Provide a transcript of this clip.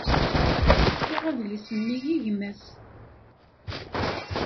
Tefka adlis-nni i gma-s.